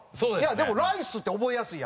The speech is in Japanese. でもライスって覚えやすいやん。